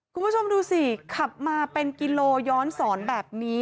คุณผู้ชมดูสิขับมาเป็นกิโลย้อนสอนแบบนี้